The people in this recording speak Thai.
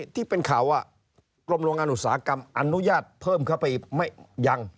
ที่เป็นข่าวว่ากรมโรงงานอุตสาหกรรมอนุญาตเพิ่มเข้าไปยัง